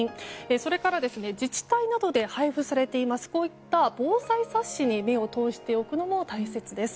それから自治体などで配布されているこういった防災冊子に目を通しておくのも大切です。